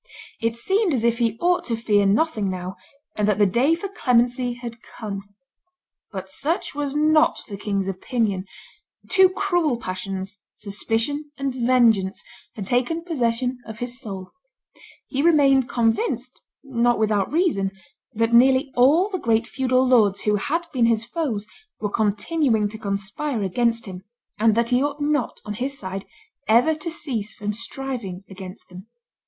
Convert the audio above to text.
It seemed as if he ought to fear nothing now, and that the day for clemency had come. But such was not the king's opinion; two cruel passions, suspicion and vengeance, had taken possession of his soul; he remained convinced, not without reason, that nearly all the great feudal lords who had been his foes were continuing to conspire against him, and that he ought not, on his side, ever to cease from striving against thorn.